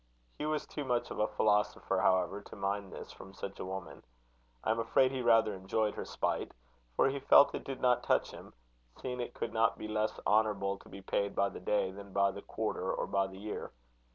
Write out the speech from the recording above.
Hugh was too much of a philosopher, however, to mind this from such a woman. I am afraid he rather enjoyed her spite; for he felt it did not touch him, seeing it could not be less honourable to be paid by the day than by the quarter or by the year.